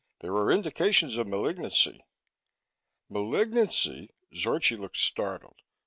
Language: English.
"There are indications of malignancy." "Malignancy?" Zorchi looked startled.